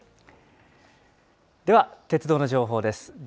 では、鉄道の情報です。